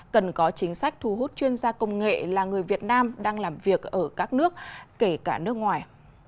cần có chính sách thu hút chuyên gia công nghệ là người việt nam đang làm việc ở các nước kể cả nước ngoài